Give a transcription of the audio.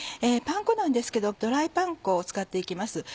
パン粉なんですけどドライパン粉を使って行きます。